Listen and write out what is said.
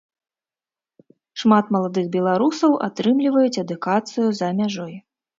Шмат маладых беларусаў атрымліваюць адукацыю за мяжой.